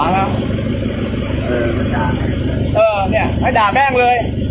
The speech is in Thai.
ให้ด่าแม่งเลย